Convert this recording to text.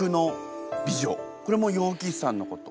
これも楊貴妃さんのこと？